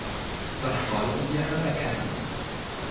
Das sollten wir anerkennen.